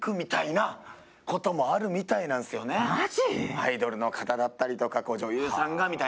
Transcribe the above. アイドルの方だったりとか女優さんがみたいな。